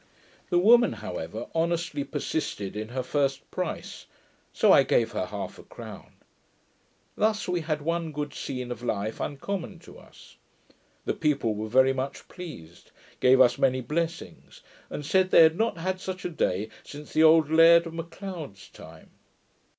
The woman, however, honestly persisted in her price; so I gave her half a crown. Thus we had one good scene of life uncommon to us. The people were very much pleased, gave us many blessings, and said they had not had such a day since the old Laird of Macleod's time.